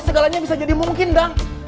segalanya bisa jadi mungkin dong